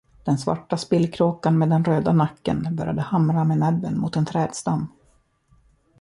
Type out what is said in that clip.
Den svarta spillkråkan med den röda nacken började hamra med näbben mot en trädstam.